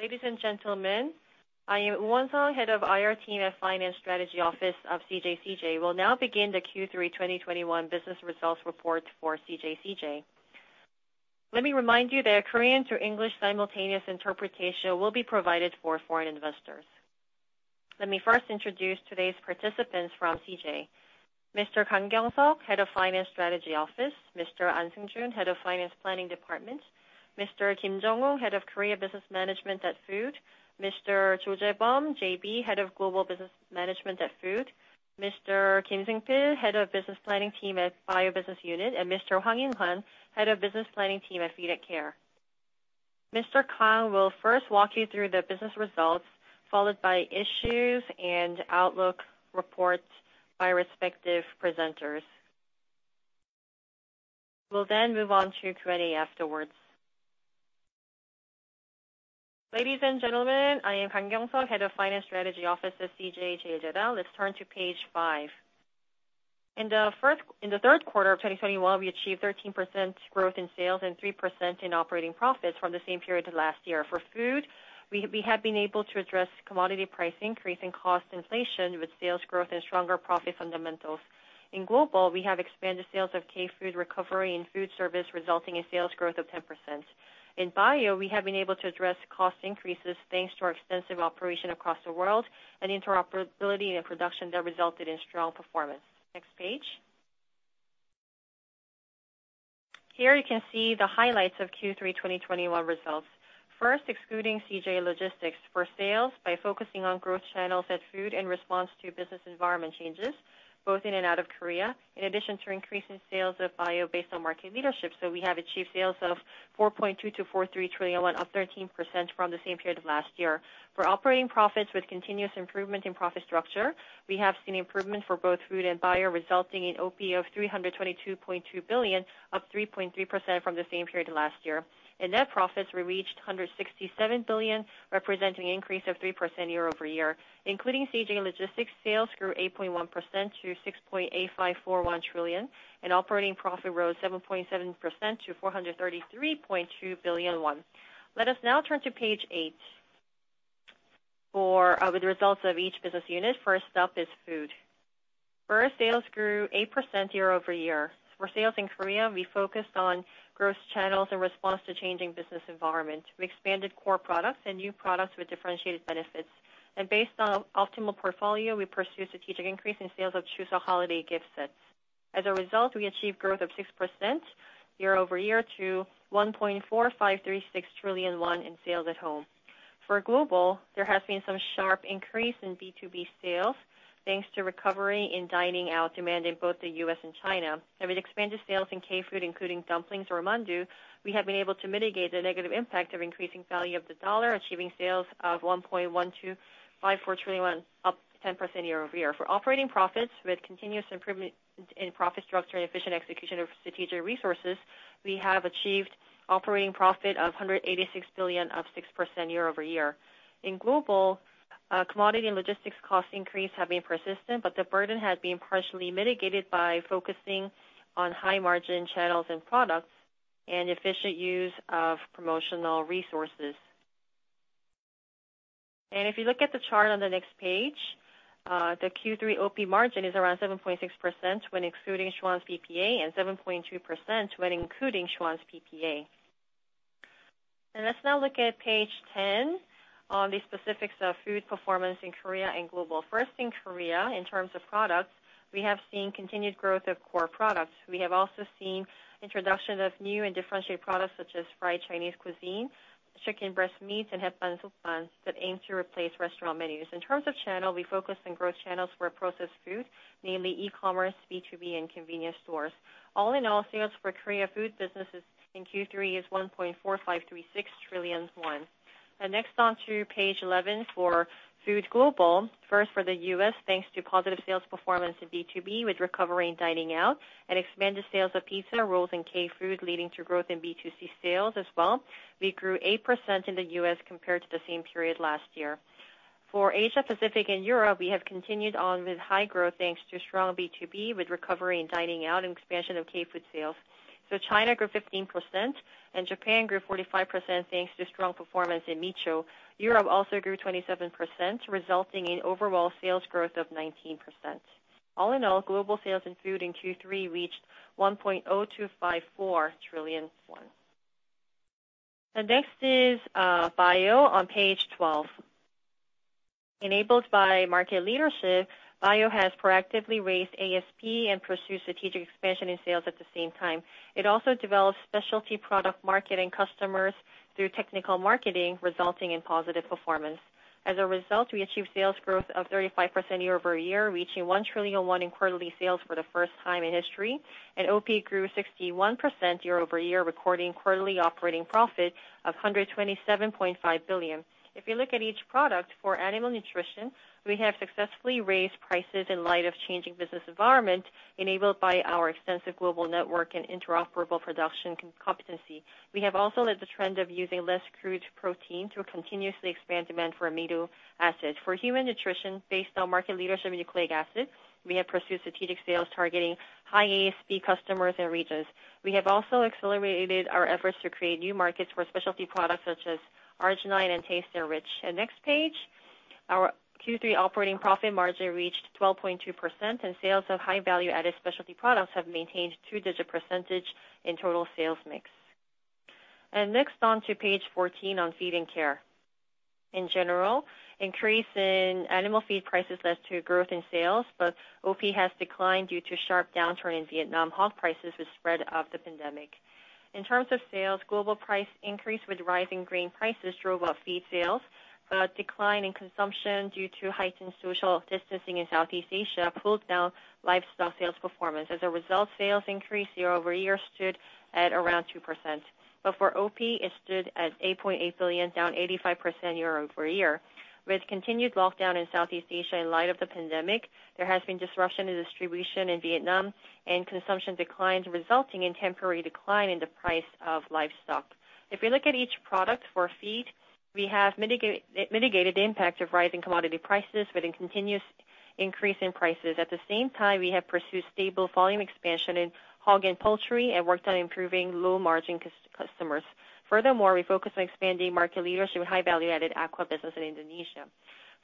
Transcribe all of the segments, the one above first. Ladies and gentlemen, I am Won Song, Head of IR Team at Finance Strategy Office of CJ CheilJedang. We'll now begin the Q3 2021 business results report for CJ CheilJedang. Let me remind you that Korean to English simultaneous interpretation will be provided for foreign investors. Let me first introduce today's participants from CJ. Mr. Kang Young-suk, Head of Finance Strategy Office. Mr. Ahn Sung-joon, Head of Finance Planning Department. Mr. Kim Jong-ho, Head of Korea Business Management, Food Division. Mr. Cho Jaebeom, JB, Head of Global Business Management, Food. Mr. Kim Seung-pil, Head of Business Planning Team, Bio Business Unit, and Mr. Hwang In-kwan, Head of Business Planning Team at CJ Feed&Care. Mr. Kang will first walk you through the business results, followed by issues and outlook reports by respective presenters. We'll then move on to Q&A afterwards. Ladies and gentlemen, I am Kang Young-suk, Head of Finance Strategy Office of CJ CheilJedang. Let's turn to page five. In the third quarter of 2021, we achieved 13% growth in sales and 3% in operating profits from the same period last year. For food, we have been able to address commodity price increase and cost inflation with sales growth and stronger profit fundamentals. In global, we have expanded sales of K-food recovery and food service, resulting in sales growth of 10%. In bio, we have been able to address cost increases thanks to our extensive operation across the world and interoperability and production that resulted in strong performance. Next page. Here you can see the highlights of Q3 2021 results. First, excluding CJ Logistics from sales by focusing on growth channels in food in response to business environment changes, both in and out of Korea. In addition to increasing sales of bio based on market leadership, we have achieved sales of 4.2243 trillion, up 13% from the same period of last year. For operating profits with continuous improvement in profit structure, we have seen improvement for both food and bio, resulting in OP of KRW 322.2 billion, up 3.3% from the same period last year. In net profits, we reached KRW 167 billion, representing an increase of 3% year-over-year, including CJ Logistics sales grew 8.1% to 6.8541 trillion, and operating profit rose 7.7% to 433.2 billion won. Let us now turn to page eight for with the results of each business unit. First up is food. First, sales grew 8% year-over-year. For sales in Korea, we focused on growth channels in response to changing business environment. We expanded core products and new products with differentiated benefits. Based on optimal portfolio, we pursued strategic increase in sales of Chuseok holiday gift sets. As a result, we achieved growth of 6% year-over-year to 1.4536 trillion won in sales at home. For global, there has been some sharp increase in B2B sales thanks to recovery in dining out demand in both the U.S. and China. With expanded sales in K-food, including dumplings or mandu, we have been able to mitigate the negative impact of increasing value of the dollar, achieving sales of 1.1254 trillion, up 10% year-over-year. For operating profits with continuous improvement in profit structure and efficient execution of strategic resources, we have achieved operating profit of 186 billion, up 6% year-over-year. In global, commodity and logistics cost increase have been persistent, but the burden has been partially mitigated by focusing on high margin channels and products and efficient use of promotional resources. If you look at the chart on the next page, the Q3 OP margin is around 7.6% when excluding Schwan's PPA and 7.2% when including Schwan's PPA. Let's now look at page 10 on the specifics of food performance in Korea and global. First, in Korea, in terms of products, we have seen continued growth of core products. We have also seen introduction of new and differentiated products such as fried Chinese cuisine, chicken breast meat, and half buns with buns that aim to replace restaurant menus. In terms of channel, we focus on growth channels for processed food, namely e-commerce, B2B, and convenience stores. All in all, sales for Korea food businesses in Q3 is 1.4536 trillion won. Next on to page eleven for food global. First, for the U.S., thanks to positive sales performance in B2B with recovery in dining out and expanded sales of pizza, rolls, and K-food, leading to growth in B2C sales as well. We grew 8% in the U.S. compared to the same period last year. For Asia, Pacific, and Europe, we have continued on with high growth thanks to strong B2B with recovery in dining out and expansion of K-food sales. China grew 15% and Japan grew 45% thanks to strong performance in Micho. Europe also grew 27%, resulting in overall sales growth of 19%. All in all, global sales in food in Q3 reached 1.0254 trillion won. The next is bio on page 12. Enabled by market leadership, bio has proactively raised ASP and pursue strategic expansion in sales at the same time. It also develops specialty product marketing customers through technical marketing, resulting in positive performance. As a result, we achieve sales growth of 35% year-over-year, reaching KRW 1 trillion in quarterly sales for the first time in history, and OP grew 61% year-over-year, recording quarterly operating profit of 127.5 billion. If you look at each product, for animal nutrition, we have successfully raised prices in light of changing business environment enabled by our extensive global network and interoperable production competency. We have also led the trend of using less crude protein to continuously expand demand for amino acids. For human nutrition based on market leadership in nucleic acids, we have pursued strategic sales targeting high ASP customers and regions. We have also accelerated our efforts to create new markets for specialty products such as arginine and TasteNrich. Next page, our Q3 operating profit margin reached 12.2%, and sales of high value-added specialty products have maintained two-digit percentage in total sales mix. Next on to page fourteen on Feed&Care. In general, increase in animal feed prices led to growth in sales, but OP has declined due to sharp downturn in Vietnam hog prices with spread of the pandemic. In terms of sales, global price increase with rising grain prices drove up feed sales, but decline in consumption due to heightened social distancing in Southeast Asia pulled down livestock sales performance. As a result, sales increase year-over-year stood at around 2%. For OP, it stood at 8.8 billion, down 85% year-over-year. With continued lockdown in Southeast Asia in light of the pandemic, there has been disruption to distribution in Vietnam and consumption declines, resulting in temporary decline in the price of livestock. If we look at each product for feed, we have mitigated the impact of rising commodity prices with a continuous increase in prices. At the same time, we have pursued stable volume expansion in hog and poultry and worked on improving low-margin customers. Furthermore, we focus on expanding market leadership with high value-added aqua business in Indonesia.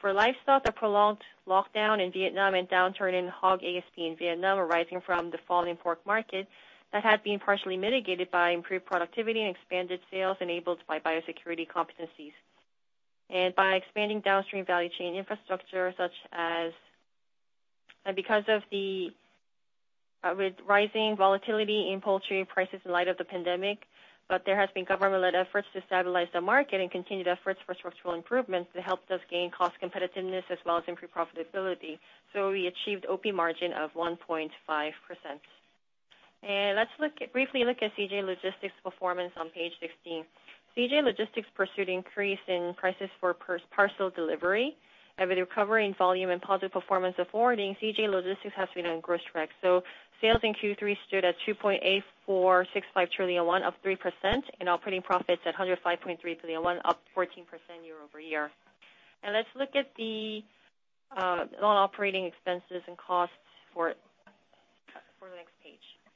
For livestock, the prolonged lockdown in Vietnam and downturn in hog ASP in Vietnam arising from the falling pork market that had been partially mitigated by improved productivity and expanded sales enabled by biosecurity competencies by expanding downstream value chain infrastructure. Because of rising volatility in poultry prices in light of the pandemic, but there has been government-led efforts to stabilize the market and continued efforts for structural improvements that helped us gain cost competitiveness as well as improve profitability. We achieved OP margin of 1.5%. Let's briefly look at CJ Logistics performance on page 16. CJ Logistics pursued increase in prices for parcel delivery. With recovery in volume and positive performance of forwarding, CJ Logistics has been on growth track. Sales in Q3 stood at 2.8465 trillion won, up 3%, and operating profits at 105.3 billion won, up 14% year-over-year. Let's look at the non-operating expenses and costs for the next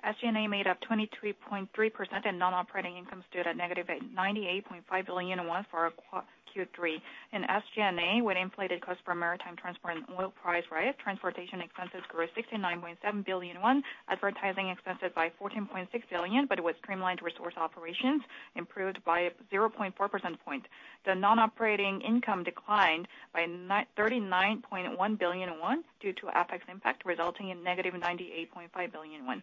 page. SG&A made up 23.3%, and non-operating income stood at -89.5 billion won for Q3. In SG&A, with inflated cost for maritime transport and oil price rise, transportation expenses grew 69.7 billion won, advertising expenses by 14.6 billion, but with streamlined resource operations improved by 0.4 percentage points. The non-operating income declined by 939.1 billion won due to FX's impact, resulting in -89.5 billion won.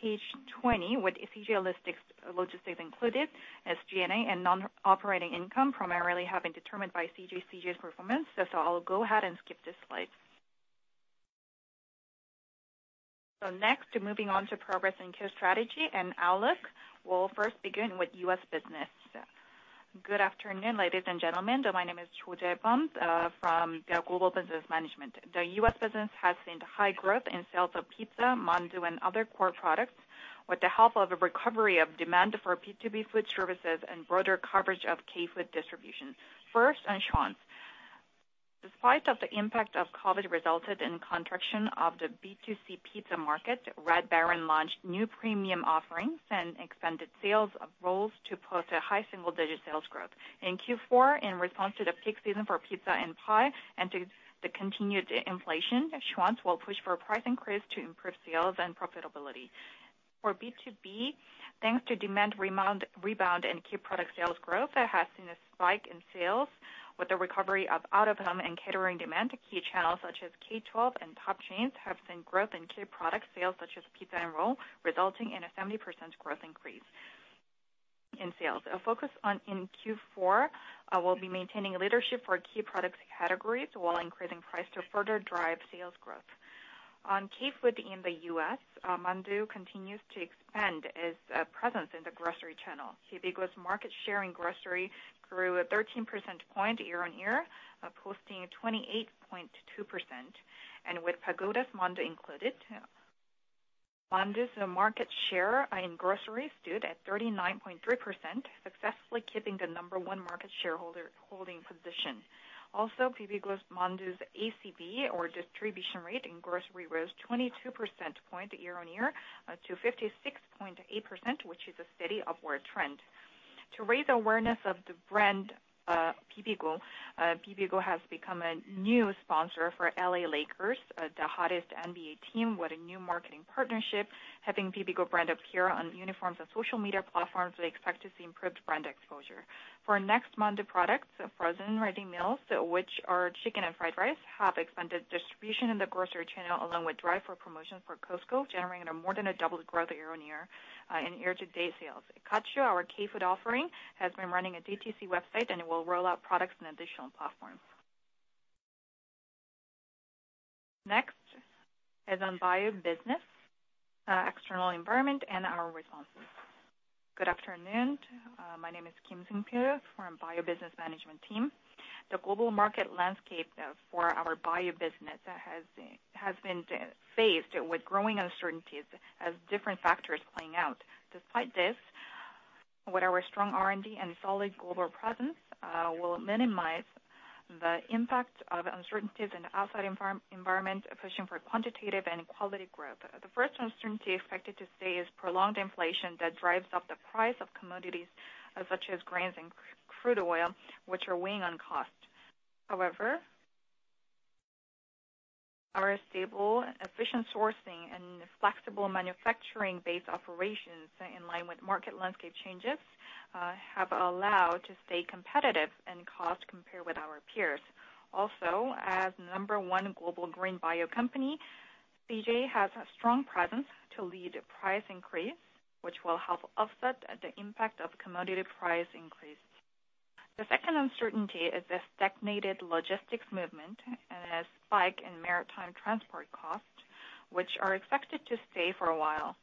Page 20, with CJ Logistics included, SG&A and non-operating income primarily determined by CJ's performance. I'll go ahead and skip this slide. Next, moving on to progress in care strategy and outlook. We'll first begin with U.S. business. Good afternoon, ladies and gentlemen. My name is Cho Jaebeom from the Global Business Management. The U.S. business has seen high growth in sales of pizza, mandu, and other core products with the help of a recovery of demand for B2B food services and broader coverage of K-food distribution. First, on Schwan's. Despite the impact of COVID resulted in contraction of the B2C pizza market, Red Baron launched new premium offerings and expanded sales of rolls to post a high single-digit sales growth. In Q4, in response to the peak season for pizza and pie and to the continued inflation, Schwan's will push for a price increase to improve sales and profitability. For B2B, thanks to demand rebound in key product sales growth, it has seen a spike in sales with the recovery of out-of-home and catering demand. Key channels, such as K-12 and top chains, have seen growth in key product sales such as pizza and roll, resulting in a 70% growth increase in sales. A focus in Q4 will be maintaining leadership for key product categories while increasing price to further drive sales growth. On K-food in the U.S., mandu continues to expand its presence in the grocery channel. Bibigo's market share in grocery grew a 13 percentage point year-over-year, posting 28.2%. With PAGODA's mandu included, mandu's market share in grocery stood at 39.3%, successfully keeping the number one market shareholder, holding position. Bibigo's mandu's ACV or distribution rate in grocery rose 22 percentage points year-over-year to 56.8%, which is a steady upward trend. To raise awareness of the brand, Bibigo has become a new sponsor for LA Lakers, the hottest NBA team. With a new marketing partnership, having Bibigo brand appear on uniforms and social media platforms, we expect to see improved brand exposure. For next mandu products, frozen ready meals, which are chicken and fried rice, have expanded distribution in the grocery channel, along with drive-thru promotions for Costco, generating more than doubled growth year-on-year in year-to-date sales. Katcho, our K-food offering, has been running a DTC website, and it will roll out products in additional platforms. Next is on bio business, external environment, and our responses. Good afternoon. My name is Kim Seung-pil from Bio Business Management team. The global market landscape for our bio business has been faced with growing uncertainties as different factors playing out. Despite this, with our strong R&D and solid global presence, will minimize the impact of uncertainties in the outside environment, pushing for quantitative and quality growth. The first uncertainty expected to stay is prolonged inflation that drives up the price of commodities such as grains and crude oil, which are weighing on cost. However, our stable, efficient sourcing and flexible manufacturing-based operations in line with market landscape changes, have allowed to stay competitive in cost compared with our peers. Also, as number one global green bio company, CJ has a strong presence to lead price increase, which will help offset the impact of commodity price increase. The second uncertainty is the stagnated logistics movement and a spike in maritime transport costs, which are expected to stay for a while.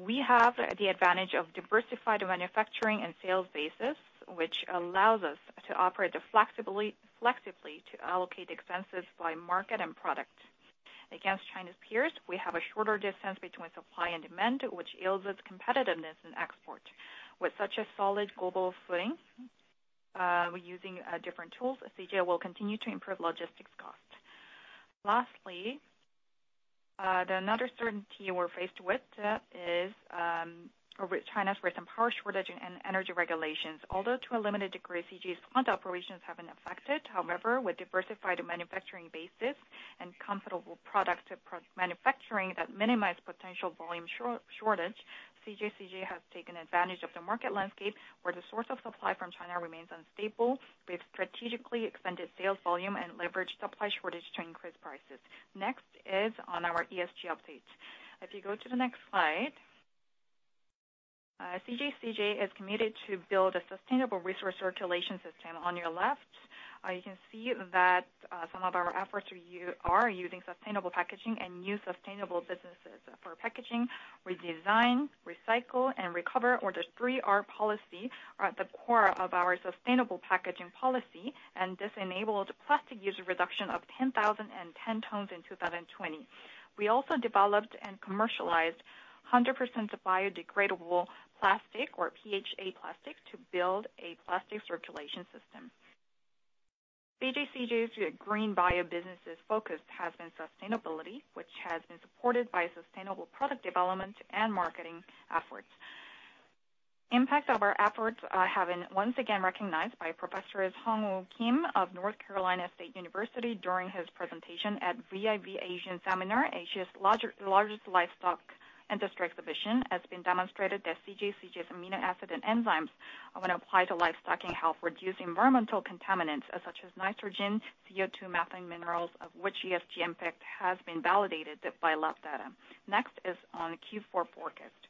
We have the advantage of diversified manufacturing and sales bases, which allows us to operate flexibly to allocate expenses by market and product. Against China's peers, we have a shorter distance between supply and demand, which yields us competitiveness in export. With such a solid global footing, we're using different tools. CJ will continue to improve logistics costs. Lastly, another uncertainty we're faced with is China's recent power shortage and energy regulations. Although to a limited degree, CJ's plant operations haven't affected. However, with diversified manufacturing bases and comfortable product pre-manufacturing that minimize potential volume shortage, CJ CheilJedang has taken advantage of the market landscape, where the source of supply from China remains unstable. We've strategically expanded sales volume and leveraged supply shortage to increase prices. Next is on our ESG update. If you go to the next slide. CJ CheilJedang is committed to build a sustainable resource circulation system. On your left, you can see that some of our efforts are using sustainable packaging and new sustainable businesses. For packaging, redesign, recycle, and recover, or the three R policy, are at the core of our sustainable packaging policy, and this enabled plastic user reduction of 10,010 tons in 2020. We also developed and commercialized 100% biodegradable plastic or PHA plastic to build a plastic circulation system. CJ CheilJedang's green bio business' focus has been sustainability, which has been supported by sustainable product development and marketing efforts. Impact of our efforts have been once again recognized by Professor Hong O. Kim. Kim of North Carolina State University during his presentation at VIV Asia Seminar, Asia's largest livestock industry exhibition, has demonstrated that CJ's amino acids and enzymes, when applied to livestock, help reduce environmental contaminants such as nitrogen, CO2, methane, minerals, of which ESG impact has been validated by lab data. Next is on Q4 forecast.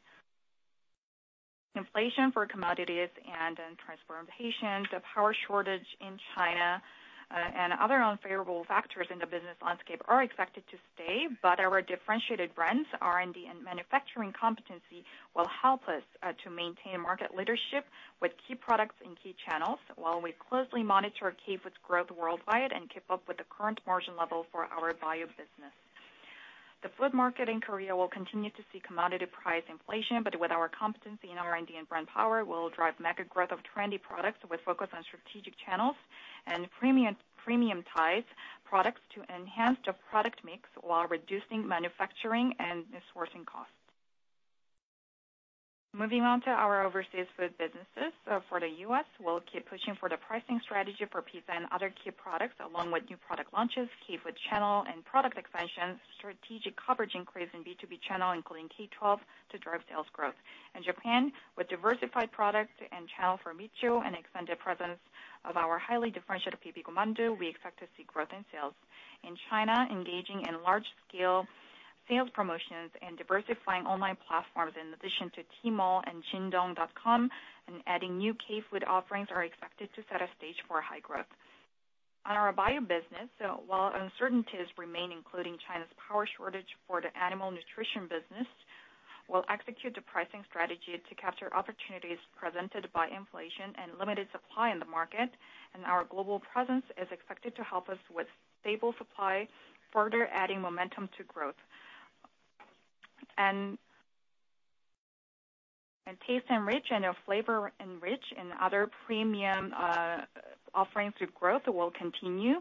Inflation for commodities and transportation, the power shortage in China, and other unfavorable factors in the business landscape are expected to stay. Our differentiated brands, R&D, and manufacturing competency will help us to maintain market leadership with key products and key channels, while we closely monitor K-food's growth worldwide and keep up with the current margin level for our bio business. The food market in Korea will continue to see commodity price inflation, but with our competency in R&D and brand power, we'll drive mega growth of trendy products with focus on strategic channels and premium products to enhance the product mix while reducing manufacturing and sourcing costs. Moving on to our overseas food businesses. For the U.S., we'll keep pushing for the pricing strategy for pizza and other key products, along with new product launches, K-food channel, and product expansion, strategic coverage increase in B2B channel, including K-12, to drive sales growth. In Japan, with diversified product and channel for Micho and expanded presence of our highly differentiated Bibigo mandu, we expect to see growth in sales. In China, engaging in large-scale sales promotions and diversifying online platforms in addition to Tmall and JD.com and adding new K-food offerings are expected to set a stage for high growth. On our bio business, while uncertainties remain, including China's power shortage for the animal nutrition business, we'll execute the pricing strategy to capture opportunities presented by inflation and limited supply in the market, and our global presence is expected to help us with stable supply, further adding momentum to growth. TasteNrich and FlavorNrich and other premium offerings to growth will continue.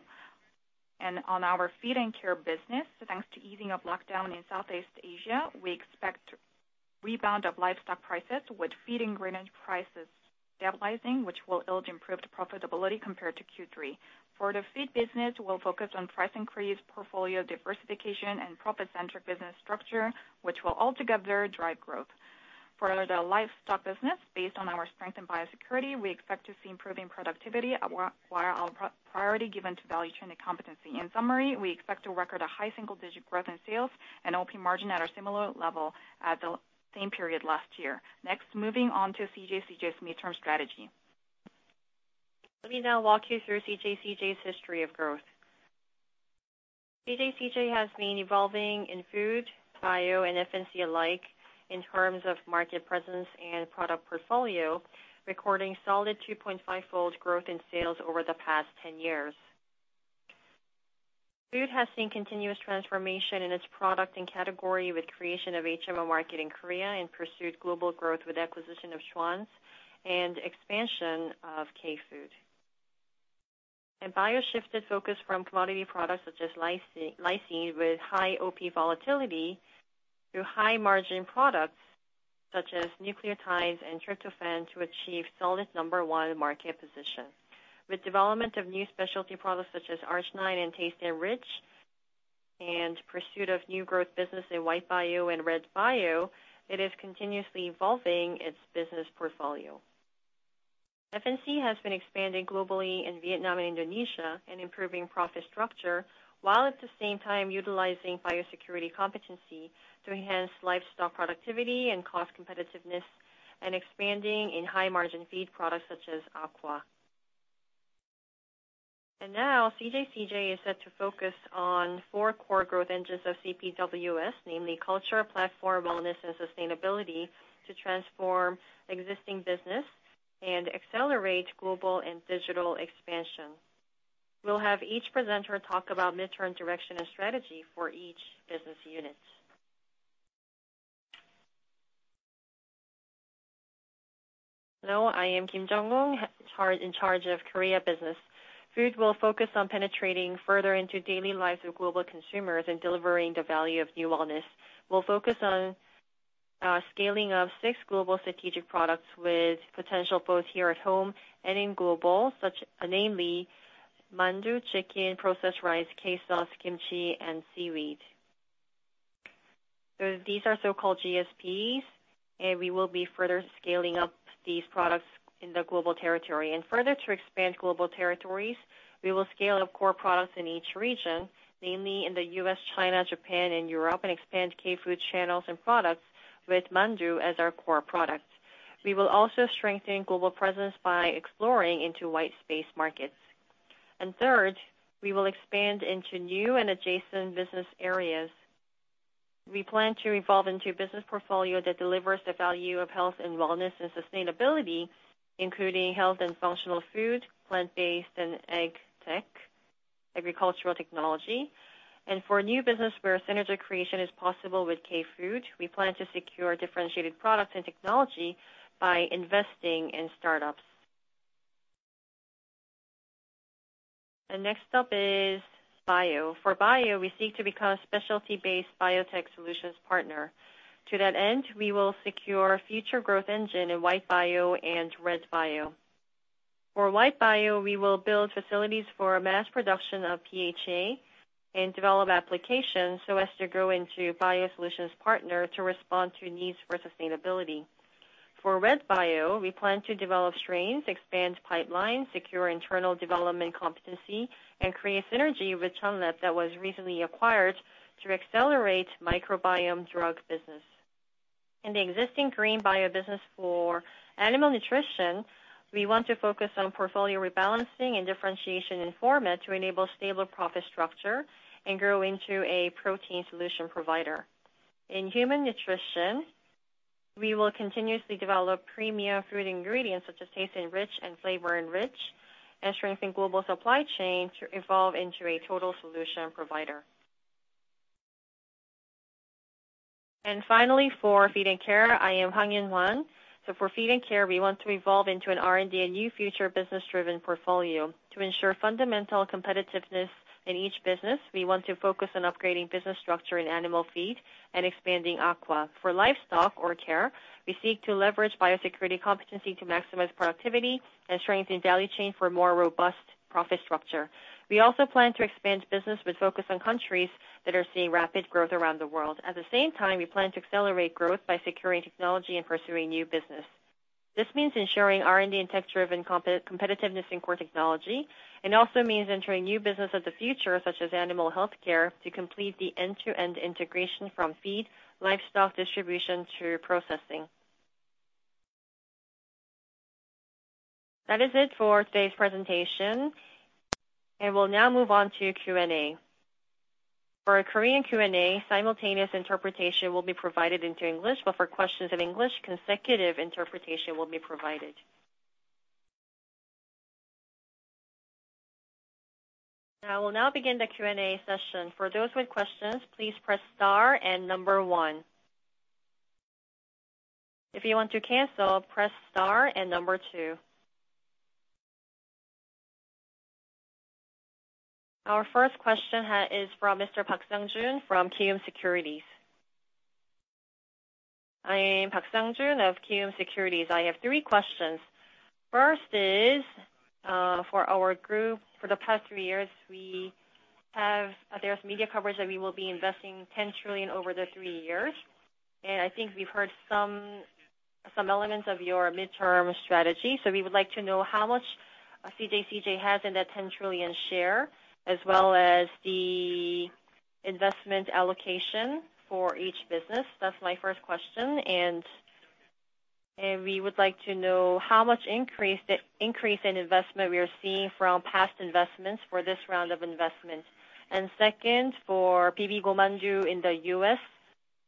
On our Feed & Care business, thanks to easing of lockdown in Southeast Asia, we expect rebound of livestock prices with feed ingredient prices stabilizing, which will yield improved profitability compared to Q3. For the feed business, we'll focus on price increase, portfolio diversification and profit-centric business structure, which will altogether drive growth. For the livestock business, based on our strength in biosecurity, we expect to see improving productivity, while priority given to value chain and competency. In summary, we expect to record a high single-digit growth in sales and OP margin at a similar level at the same period last year. Next, moving on to CJ CheilJedang's mid-term strategy. Let me now walk you through CJ CheilJedang's history of growth. CJ CheilJedang has been evolving in food, bio, and F&C alike in terms of market presence and product portfolio, recording solid 2.5-fold growth in sales over the past 10 years. Food has seen continuous transformation in its product and category with creation of HMR market in Korea, and pursued global growth with acquisition of Schwan's and expansion of K-food. Bio shifted focus from commodity products such as lysine with high OP volatility through high-margin products such as nucleotides and tryptophan to achieve solid No. 1 market position. With development of new specialty products such as arginine and TasteNrich, and pursuit of new growth business in white bio and red bio, it is continuously evolving its business portfolio. F&C has been expanding globally in Vietnam and Indonesia and improving profit structure, while at the same time utilizing biosecurity competency to enhance livestock productivity and cost competitiveness, and expanding in high-margin feed products such as aqua. Now, CJ is set to focus on four core growth engines of CPWS, namely culture, platform, wellness, and sustainability, to transform existing business and accelerate global and digital expansion. We'll have each presenter talk about mid-term direction and strategy for each business unit. Hello, I am Kim Jong-ho, in charge of Korea business. Food will focus on penetrating further into daily lives of global consumers and delivering the value of new wellness. We'll focus on scaling of six global strategic products with potential both here at home and in global, namely mandu, chicken, processed rice, K-sauce, kimchi, and seaweed. These are so-called GSPs, and we will be further scaling up these products in the global territory. Further, to expand global territories, we will scale up core products in each region, namely in the U.S., China, Japan, and Europe, and expand K-food channels and products with mandu as our core product. We will also strengthen global presence by exploring into white space markets. Third, we will expand into new and adjacent business areas. We plan to evolve into a business portfolio that delivers the value of health and wellness and sustainability, including health and functional food, plant-based and AgTech, agricultural technology. For new business where synergy creation is possible with K-food, we plan to secure differentiated products and technology by investing in startups. Next up is bio. For bio, we seek to become a specialty-based biotech solutions partner. To that end, we will secure future growth engine in white bio and red bio. For white bio, we will build facilities for mass production of PHA and develop applications so as to grow into bio solutions partner to respond to needs for sustainability. For red bio, we plan to develop strains, expand pipelines, secure internal development competency, and create synergy with Chunlab that was recently acquired to accelerate microbiome drug business. In the existing green bio business for animal nutrition, we want to focus on portfolio rebalancing and differentiation in format to enable stable profit structure and grow into a protein solution provider. In human nutrition, we will continuously develop premium food ingredients such as TasteNrich and FlavorNrich, and strengthen global supply chain to evolve into a total solution provider. Finally, for feed and care, I am Hwang In-kwan. For Feed & Care, we want to evolve into an R&D and new future business-driven portfolio. To ensure fundamental competitiveness in each business, we want to focus on upgrading business structure in animal feed and expanding aqua. For livestock & care, we seek to leverage biosecurity competency to maximize productivity and strengthen value chain for more robust profit structure. We also plan to expand business with focus on countries that are seeing rapid growth around the world. At the same time, we plan to accelerate growth by securing technology and pursuing new business. This means ensuring R&D and tech-driven competitiveness in core technology, and also means entering new business of the future, such as animal healthcare, to complete the end-to-end integration from feed, livestock distribution to processing. That is it for today's presentation, and we'll now move on to Q&A. For Korean Q&A, simultaneous interpretation will be provided into English, but for questions in English, consecutive interpretation will be provided. I will now begin the Q&A session. For those with questions, please press star and number one. If you want to cancel, press star and number two. Our first question is from Mr. Park Sang-joon from Kiwoom Securities. I am Park Sang-joon of Kiwoom Securities. I have three questions. First is, for our group, for the past three years, there's media coverage that we will be investing 10 trillion over the three years. I think we've heard some elements of your midterm strategy. We would like to know how much CJ has in that 10 trillion share, as well as the investment allocation for each business. That's my first question. We would like to know how much increase in investment we are seeing from past investments for this round of investments. Second, for Bibigo mandu in the U.S.,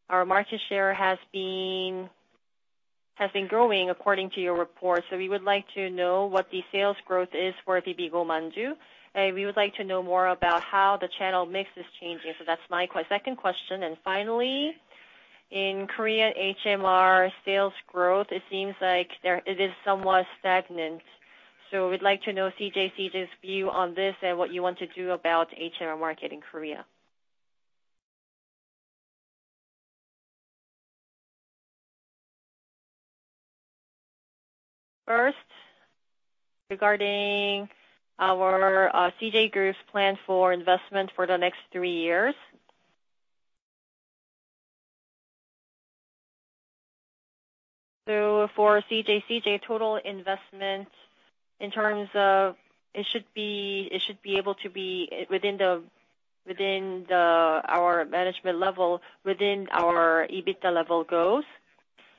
our market share has been growing according to your report. We would like to know what the sales growth is for Bibigo mandu. We would like to know more about how the channel mix is changing. That's my second question. Finally, in Korean HMR sales growth, it seems like it is somewhat stagnant. We'd like to know CJ's view on this and what you want to do about HMR market in Korea. First, regarding our CJ Group's plan for investment for the next three years. For CJ total investment in terms of it should be able to be within our management level, within our EBITDA level goals.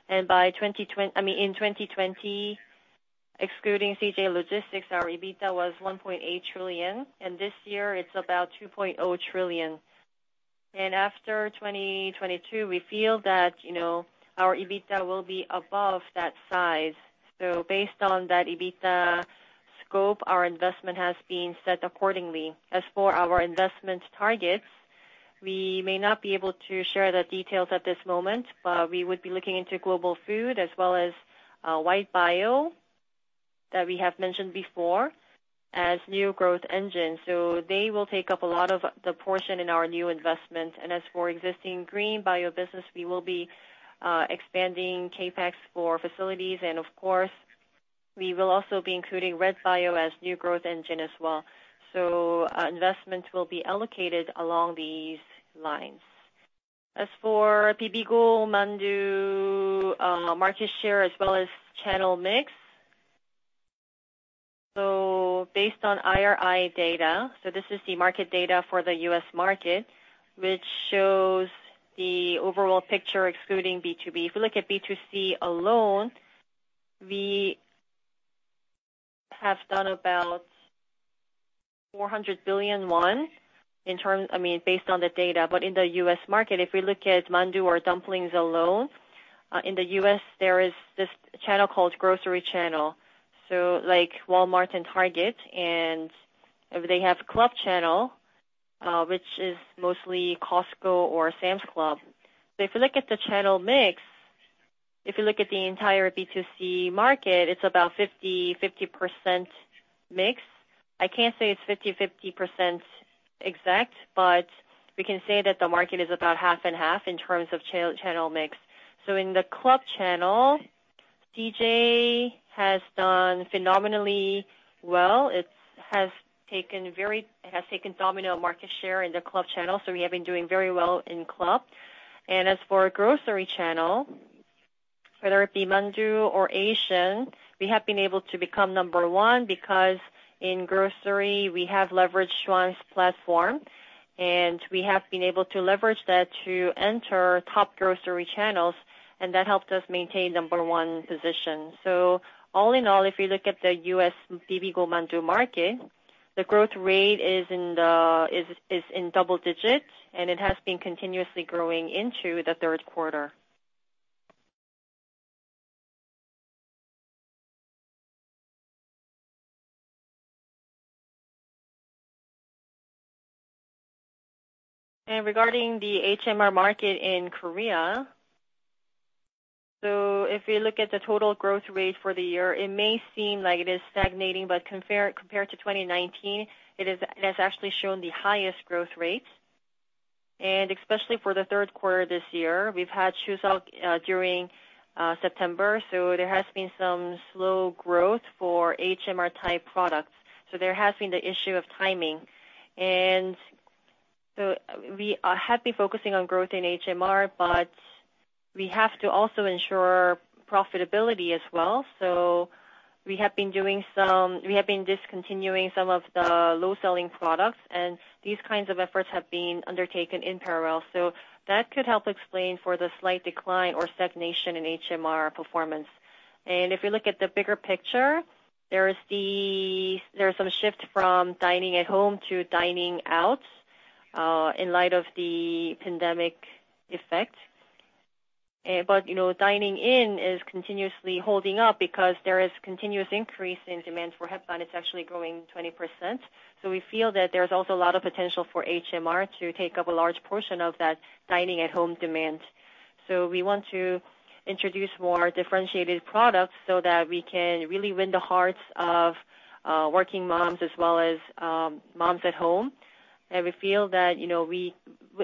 In 2020, excluding CJ Logistics, our EBITDA was 1.8 trillion, and this year it's about 2.0 trillion. After 2022, we feel that our EBITDA will be above that size. Based on that EBITDA scope, our investment has been set accordingly. As for our investment targets, we may not be able to share the details at this moment, but we would be looking into global food as well as white bio that we have mentioned before as new growth engines. They will take up a lot of the portion in our new investment. As for existing green bio business, we will be expanding CapEx for facilities. Of course, we will also be including red bio as new growth engine as well. Investment will be allocated along these lines. As for Bibigo mandu market share as well as channel mix. Based on IRI data, this is the market data for the U.S. market, which shows the overall picture excluding B2B. If you look at B2C alone, we have done about 400 billion won in terms, I mean based on the data. In the U.S. market, if we look at mandu or dumplings alone, in the U.S. there is this channel called grocery channel, so like Walmart and Target, and they have club channel, which is mostly Costco or Sam's Club. If you look at the channel mix, if you look at the entire B2C market, it's about 50-50% mix. I can't say it's 50-50% exact, but we can say that the market is about half and half in terms of channel mix. In the club channel, CJ has done phenomenally well. It has taken dominant market share in the club channel. We have been doing very well in club. As for grocery channel, whether it be mandu or Asian, we have been able to become number one because in grocery we have leveraged Schwan's platform, and we have been able to leverage that to enter top grocery channels, and that helped us maintain number one position. All in all, if you look at the U.S. Bibigo mandu market, the growth rate is in double digits, and it has been continuously growing into the third quarter. Regarding the HMR market in Korea, if you look at the total growth rate for the year, it may seem like it is stagnating, but compared to 2019, it has actually shown the highest growth rate. Especially for the third quarter this year, we've had Chuseok during September, so there has been some slow growth for HMR type products. There has been the issue of timing. We are happy focusing on growth in HMR, but we have to also ensure profitability as well. We have been discontinuing some of the low-selling products, and these kinds of efforts have been undertaken in parallel. That could help explain for the slight decline or stagnation in HMR performance. If you look at the bigger picture, there are some shifts from dining at home to dining out in light of the pandemic effect. You know, dining in is continuously holding up because there is continuous increase in demand for Hetbahn. It's actually growing 20%. We feel that there's also a lot of potential for HMR to take up a large portion of that dining at home demand. We want to introduce more differentiated products so that we can really win the hearts of working moms as well as moms at home. We feel that, you know, we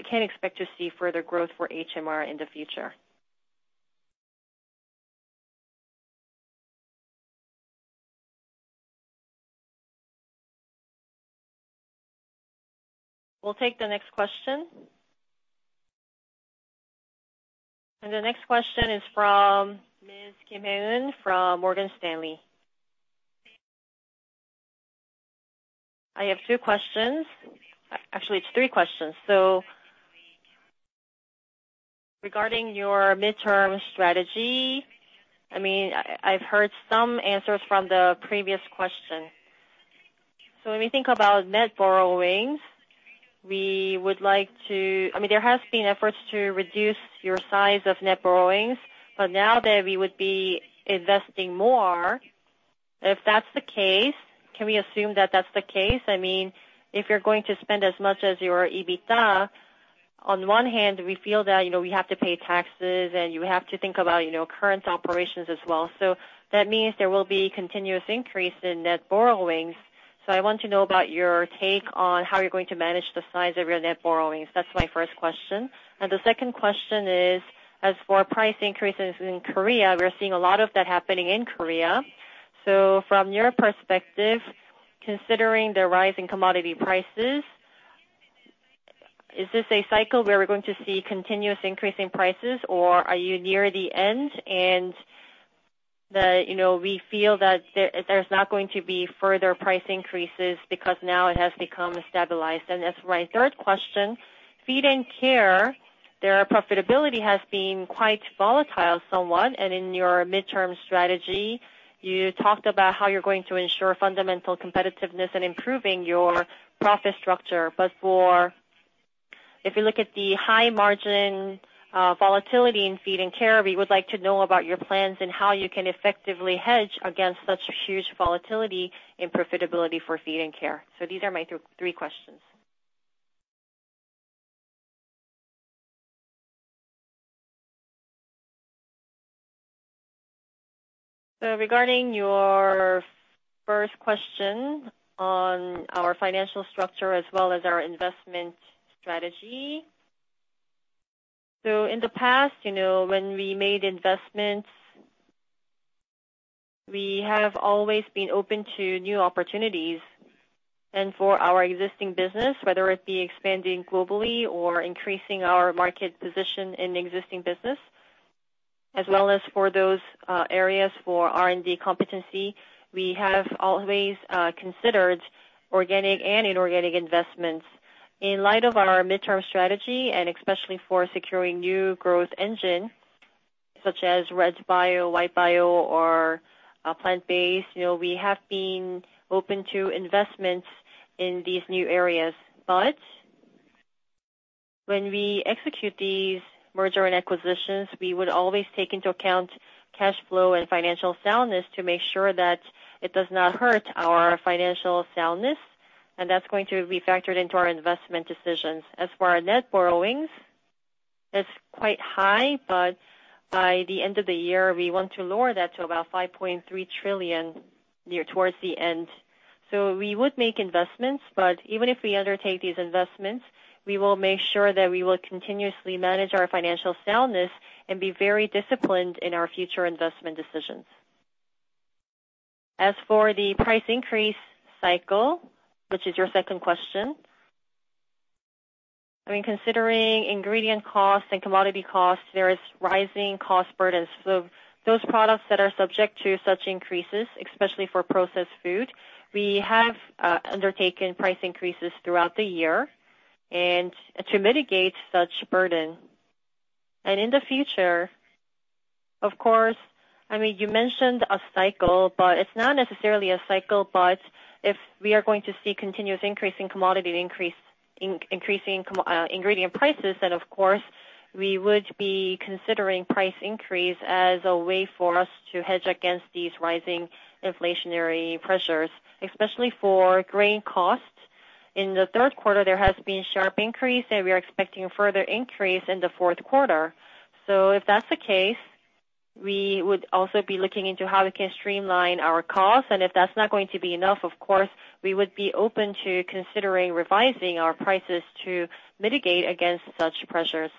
can expect to see further growth for HMR in the future. We'll take the next question. The next question is from Ms. Kim Hyun-ah from Morgan Stanley. I have two questions. Actually, it's three questions. Regarding your midterm strategy, I mean, I've heard some answers from the previous question. When we think about net borrowings, there has been efforts to reduce your size of net borrowings, but now that we would be investing more, if that's the case, can we assume that that's the case? I mean, if you're going to spend as much as your EBITDA, on one hand, we feel that, you know, we have to pay taxes and you have to think about, you know, current operations as well. That means there will be continuous increase in net borrowings. I want to know about your take on how you're going to manage the size of your net borrowings. That's my first question. The second question is, as for price increases in Korea, we're seeing a lot of that happening in Korea. From your perspective, considering the rise in commodity prices, is this a cycle where we're going to see continuous increase in prices, or are you near the end? You know, we feel that there's not going to be further price increases because now it has become stabilized. As my third question, CJ Feed&Care, their profitability has been quite volatile somewhat. In your midterm strategy, you talked about how you're going to ensure fundamental competitiveness and improving your profit structure. If you look at the high-margin volatility in Feed&Care, we would like to know about your plans and how you can effectively hedge against such huge volatility in profitability for Feed&Care. These are my three questions. Regarding your first question on our financial structure as well as our investment strategy, in the past, you know, when we made investments, we have always been open to new opportunities. For our existing business, whether it be expanding globally or increasing our market position in existing business, as well as for those areas for R&D competency, we have always considered organic and inorganic investments. In light of our mid-term strategy, especially for securing new growth engines such as red bio, white bio, or plant-based, you know, we have been open to investments in these new areas. When we execute these merger and acquisitions, we would always take into account cash flow and financial soundness to make sure that it does not hurt our financial soundness, and that's going to be factored into our investment decisions. As for our net borrowings, it's quite high, but by the end of the year, we want to lower that to about 5.3 trillion near towards the end. We would make investments, but even if we undertake these investments, we will make sure that we will continuously manage our financial soundness and be very disciplined in our future investment decisions. As for the price increase cycle, which is your second question, I mean, considering ingredient costs and commodity costs, there is rising cost burdens. Those products that are subject to such increases, especially for processed food, we have undertaken price increases throughout the year and to mitigate such burden. In the future, of course, I mean, you mentioned a cycle, but it's not necessarily a cycle, but if we are going to see continuous increase in commodity, increasing ingredient prices, then of course, we would be considering price increase as a way for us to hedge against these rising inflationary pressures, especially for grain costs. In the third quarter, there has been sharp increase, and we are expecting further increase in the fourth quarter. If that's the case, we would also be looking into how we can streamline our costs. If that's not going to be enough, of course, we would be open to considering revising our prices to mitigate against such pressures.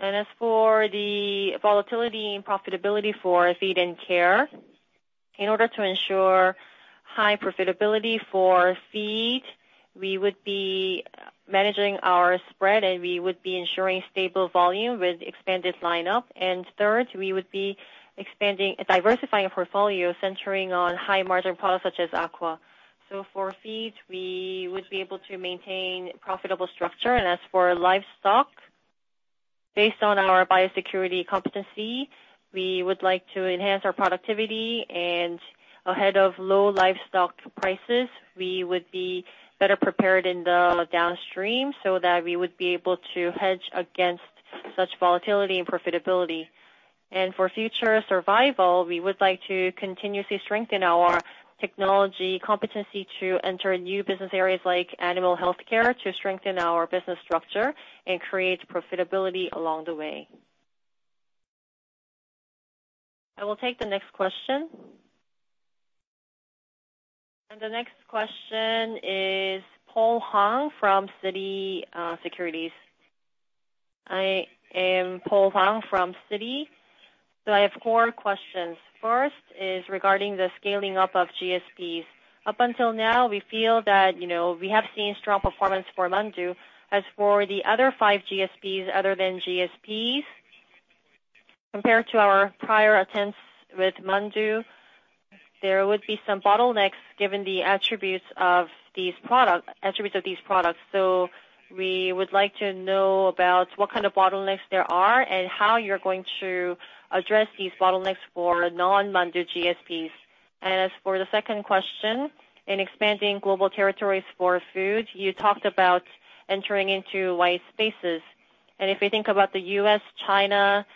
As for the volatility and profitability for Feed & Care, in order to ensure high profitability for Feed, we would be managing our spread, and we would be ensuring stable volume with expanded lineup. Third, we would be expanding, diversifying our portfolio centering on high-margin products such as aqua. For Feed, we would be able to maintain profitable structure. As for Livestock, based on our biosecurity competency, we would like to enhance our productivity. Ahead of low livestock prices, we would be better prepared in the downstream so that we would be able to hedge against such volatility and profitability. For future survival, we would like to continuously strengthen our technology competency to enter new business areas like animal healthcare to strengthen our business structure and create profitability along the way. I will take the next question. The next question is Paul Hong from Citi Securities. I am Paul Hong from Citi. I have four questions. First is regarding the scaling up of GSPs. Up until now, we feel that, you know, we have seen strong performance for Mandu. As for the other five GSPs other than Mandu, compared to our prior attempts with Mandu, there would be some bottlenecks given the attributes of these products. We would like to know about what kind of bottlenecks there are and how you are going to address these bottlenecks for non-Mandu GSPs. As for the second question, in expanding global territories for food, you talked about entering into white spaces. If we think about the U.S., China,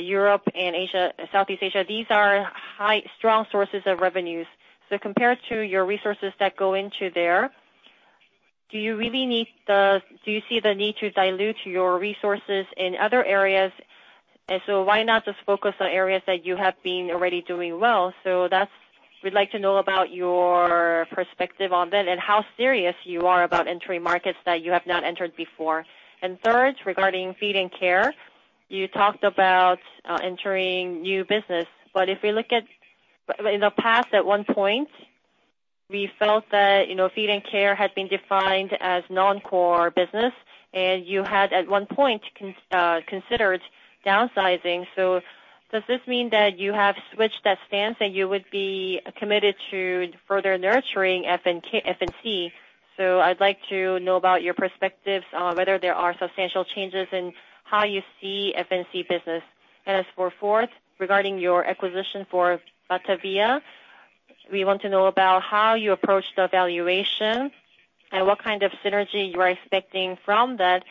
Europe and Asia, Southeast Asia, these are high strong sources of revenues. Compared to your resources that go into there, do you see the need to dilute your resources in other areas? Why not just focus on areas that you have been already doing well? We'd like to know about your perspective on that and how serious you are about entering markets that you have not entered before. Third, regarding Feed & Care, you talked about entering new business. If we look at, in the past, at one point, we felt that, you know, Feed & Care had been defined as non-core business, and you had at one point considered downsizing. Does this mean that you have switched that stance and you would be committed to further nurturing F&C? I'd like to know about your perspectives on whether there are substantial changes in how you see F&C business. As for fourth, regarding your acquisition for Batavia, we want to know about how you approach the valuation and what kind of synergy you are expecting from that.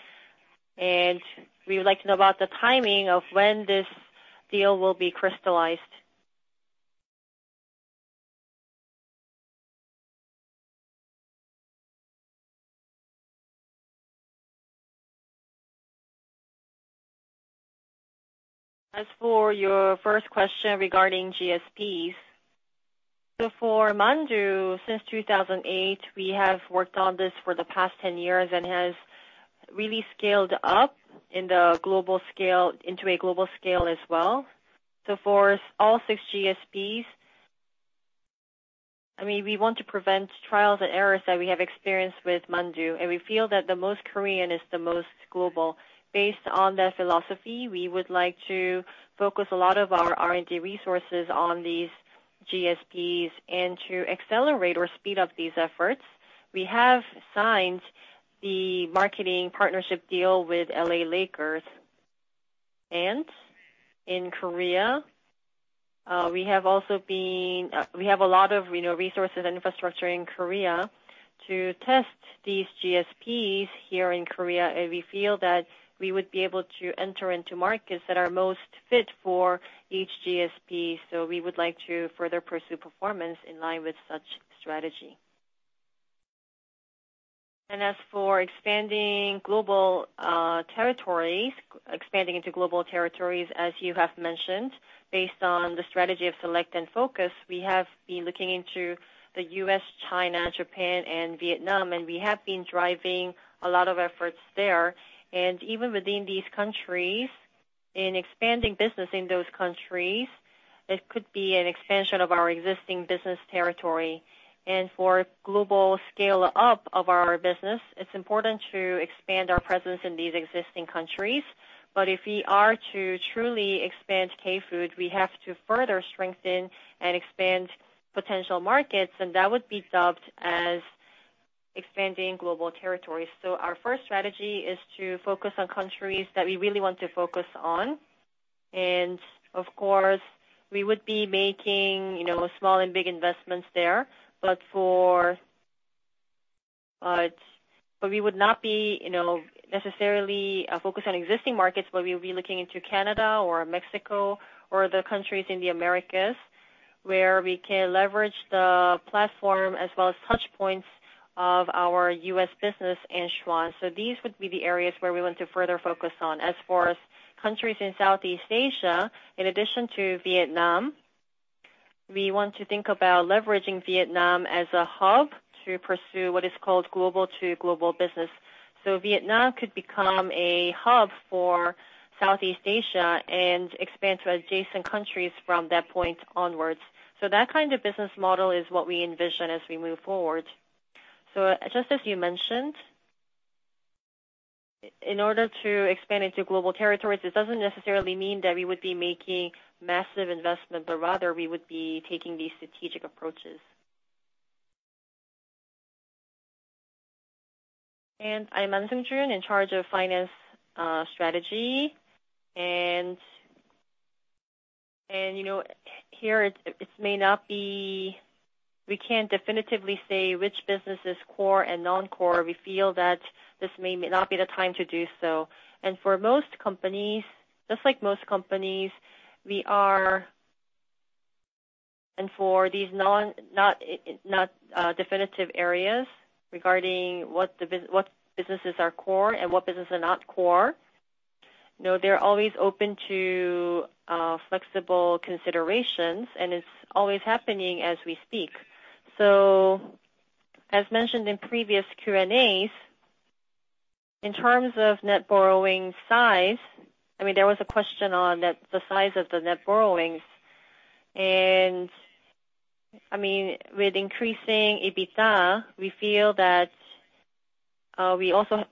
We would like to know about the timing of when this deal will be crystallized. As for your first question regarding GSPs, for mandu, since 2008, we have worked on this for the past 10 years and has really scaled up in the global scale, into a global scale as well. For all six GSPs, I mean, we want to prevent trials and errors that we have experienced with mandu, and we feel that the most Korean is the most global. Based on that philosophy, we would like to focus a lot of our R&D resources on these GSPs and to accelerate or speed up these efforts. We have signed the marketing partnership deal with LA Lakers. In Korea, we have a lot of, you know, resources and infrastructure in Korea to test these GSPs here in Korea. We feel that we would be able to enter into markets that are most fit for each GSP. We would like to further pursue performance in line with such strategy. As for expanding into global territories, as you have mentioned, based on the strategy of select and focus, we have been looking into the U.S., China, Japan and Vietnam, and we have been driving a lot of efforts there. Even within these countries, in expanding business in those countries, it could be an expansion of our existing business territory. For global scale-up of our business, it's important to expand our presence in these existing countries. If we are to truly expand K-food, we have to further strengthen and expand potential markets, and that would be dubbed as expanding global territories. Our first strategy is to focus on countries that we really want to focus on. Of course, we would be making, you know, small and big investments there. We would not be, you know, necessarily focused on existing markets, but we'll be looking into Canada or Mexico or the countries in the Americas where we can leverage the platform as well as touchpoints of our U.S. business and Schwan's. These would be the areas where we want to further focus on. As for countries in Southeast Asia, in addition to Vietnam, we want to think about leveraging Vietnam as a hub to pursue what is called global to global business. Vietnam could become a hub for Southeast Asia and expand to adjacent countries from that point onwards. That kind of business model is what we envision as we move forward. Just as you mentioned, in order to expand into global territories, it doesn't necessarily mean that we would be making massive investment, but rather we would be taking these strategic approaches. I'm Ahn Sung-joon, in charge of finance strategy. We can't definitively say which business is core and non-core. We feel that this may not be the time to do so. For these non-definitive areas regarding what the businesses are core and what businesses are not core, you know, they're always open to flexible considerations, and it's always happening as we speak. As mentioned in previous Q&As, in terms of net borrowing size, I mean, there was a question on the size of the net borrowings. I mean, with increasing EBITDA, we feel that the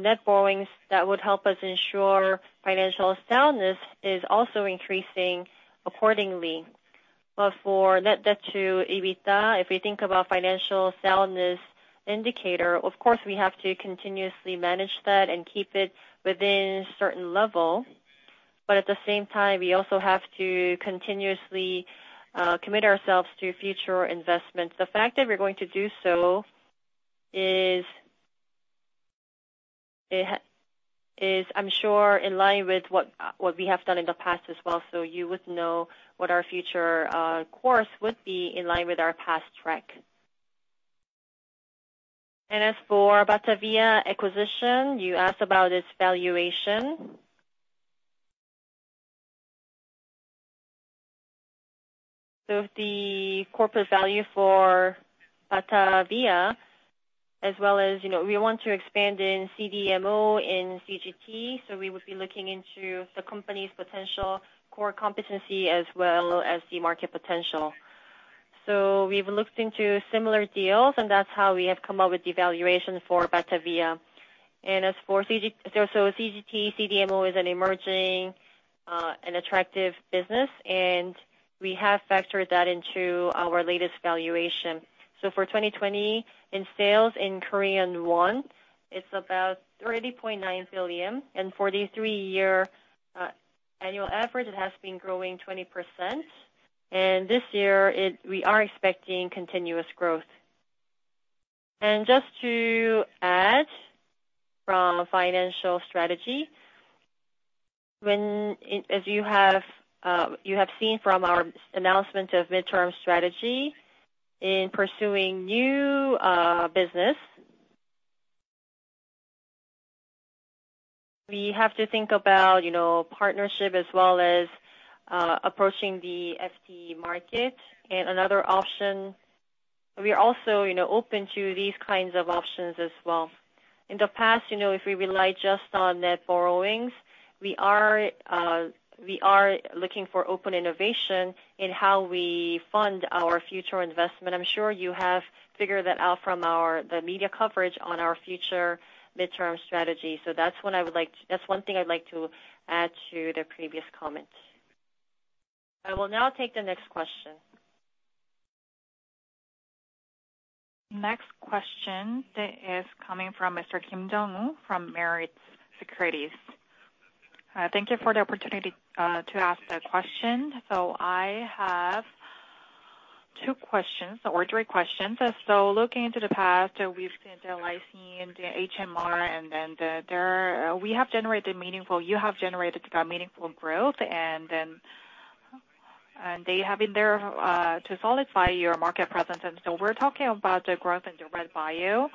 net borrowings that would help us ensure financial soundness is also increasing accordingly. For net debt to EBITDA, if we think about financial soundness indicator, of course, we have to continuously manage that and keep it within a certain level. At the same time, we also have to continuously commit ourselves to future investments. The fact that we're going to do so is, I'm sure in line with what we have done in the past as well, so you would know what our future course would be in line with our past track. As for Batavia acquisition, you asked about its valuation. The corporate value for Batavia, as well as, you know, we want to expand in CDMO and CGT, so we would be looking into the company's potential core competency as well as the market potential. We've looked into similar deals, and that's how we have come up with the valuation for Batavia. As for CGT, CDMO is an emerging and attractive business, and we have factored that into our latest valuation. For 2020, in sales in Korean won, it's about 30.9 billion. For these three-year annual average, it has been growing 20%. This year we are expecting continuous growth. Just to add from a financial strategy, as you have seen from our announcement of mid-term strategy in pursuing new business, we have to think about, you know, partnership as well as approaching the FD market. Another option, we are also, you know, open to these kinds of options as well. In the past, you know, if we rely just on net borrowings, we are looking for open innovation in how we fund our future investment. I'm sure you have figured that out from the media coverage on our future mid-term strategy. That's one thing I'd like to add to the previous comment. I will now take the next question. Next question is coming from Mr. Kim Jongwoo from Meritz Securities. Thank you for the opportunity to ask the question. I have two questions or three questions. Looking into the past, we've seen the lysine, the HMR, and then you have generated meaningful growth. They have been there to solidify your market presence. We're talking about the growth in the red bio.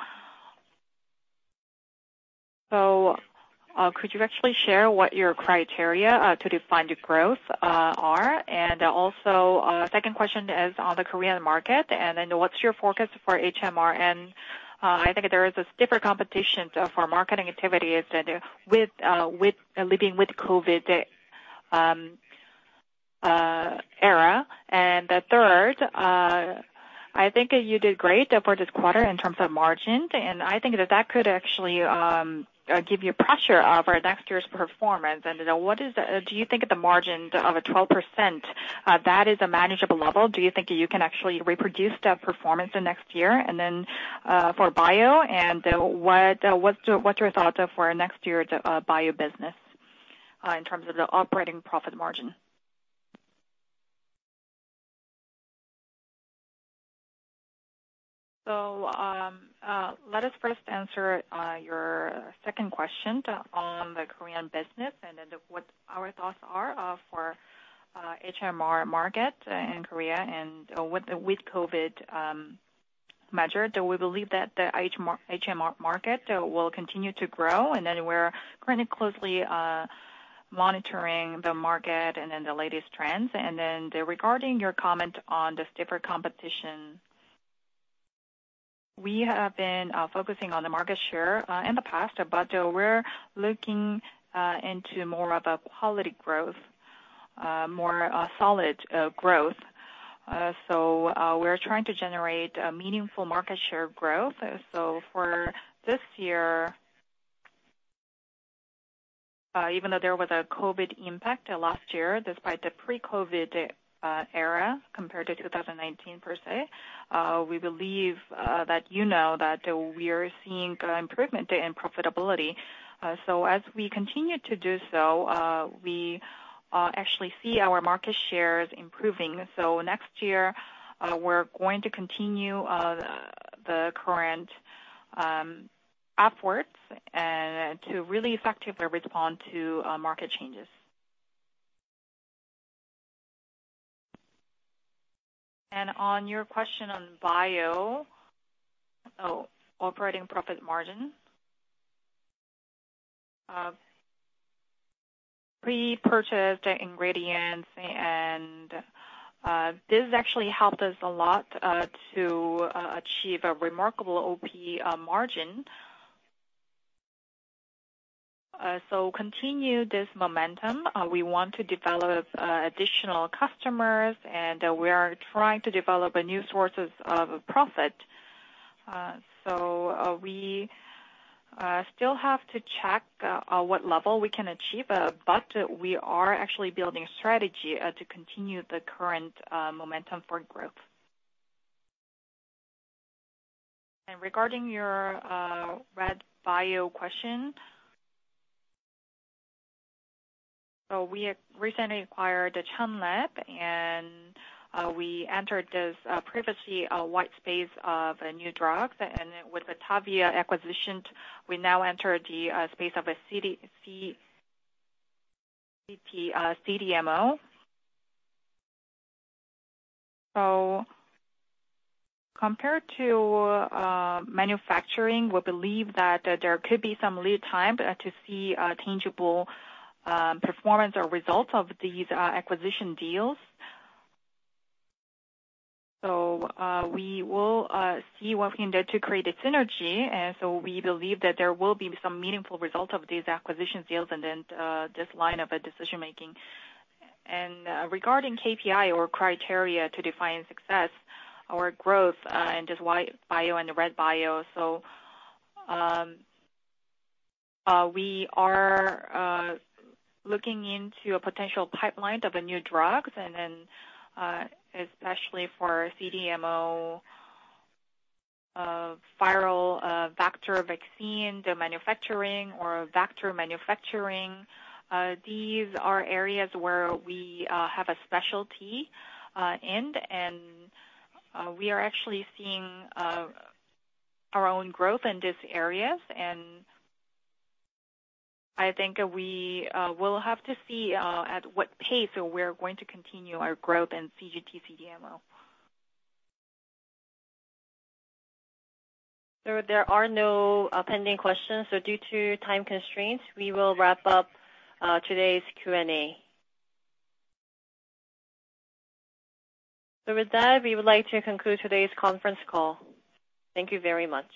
Could you actually share what your criteria to define the growth are? Also, second question is on the Korean market, and what's your forecast for HMR? I think there is a stiffer competition for marketing activities than in the living with COVID era. The third, I think you did great for this quarter in terms of margins, and I think that could actually give you pressure on your next year's performance. Do you think the margins of 12% that is a manageable level? Do you think you can actually reproduce that performance the next year? For bio and what's your thought for next year to bio business in terms of the operating profit margin? Let us first answer your second question on the Korean business and then what our thoughts are for HMR market in Korea and with COVID measure. We believe that the HMR market will continue to grow, and then we're pretty closely monitoring the market and then the latest trends. Regarding your comment on the stiffer competition, we have been focusing on the market share in the past, but we're looking into more of a quality growth, more solid growth. We're trying to generate a meaningful market share growth. For this year, even though there was a COVID impact last year, despite the pre-COVID era, compared to 2019, per se, we believe that you know that we are seeing improvement in profitability. As we continue to do so, we Actually, we see our market shares improving. Next year, we're going to continue the current upwards and to really effectively respond to market changes. On your question on bio, operating profit margin. We purchased ingredients and this actually helped us a lot to achieve a remarkable OP margin. Continue this momentum, we want to develop additional customers, and we are trying to develop new sources of profit. We still have to check what level we can achieve, but we are actually building strategy to continue the current momentum for growth. Regarding your red bio question. We recently acquired the ChunLab, and we entered this previously a white space of new drugs. With the Batavia acquisition, we now enter the space of a CDMO. Compared to manufacturing, we believe that there could be some lead time to see a tangible performance or result of these acquisition deals. We will see what we can do to create a synergy. We believe that there will be some meaningful results of these acquisition deals and then this line of decision-making. Regarding KPI or criteria to define success or growth in this white bio and the red bio. We are looking into a potential pipeline of the new drugs and then especially for CDMO, viral vector vaccine manufacturing or vector manufacturing. These are areas where we have a specialty in. We are actually seeing our own growth in these areas. I think we will have to see at what pace we're going to continue our growth in CGT CDMO. There are no pending questions. Due to time constraints, we will wrap up today's Q&A. With that, we would like to conclude today's conference call. Thank you very much.